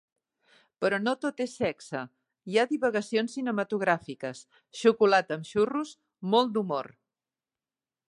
Però no tot és sexe; hi ha divagacions cinematogràfiques, xocolata amb xurros, molt d'humor.